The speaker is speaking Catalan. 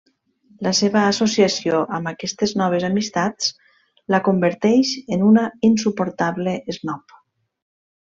La seva associació amb aquestes noves amistats la converteix en una insuportable esnob.